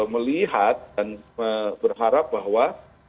melihat dan berharap bahwa